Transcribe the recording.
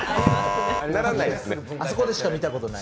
あそこでしか見たことない。